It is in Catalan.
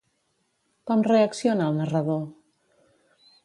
Com reacciona el narrador?